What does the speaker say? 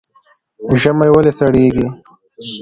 ژمی ولې سړیږي؟